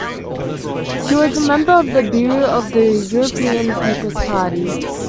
She was a Member of the Bureau of the European People's Party.